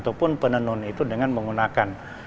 ataupun penenun itu dengan menggunakan